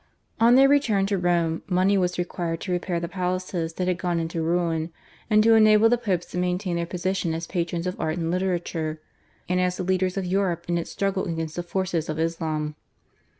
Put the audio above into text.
On their return to Rome money was required to repair the palaces that had gone into ruin, and to enable the Popes to maintain their position as patrons of art and literature, and as the leaders of Europe in its struggle against the forces of Islam.